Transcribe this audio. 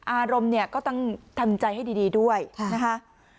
อารมณ์เนี่ยก็ต้องทำใจให้ดีด้วยนะคะ